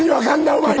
お前に！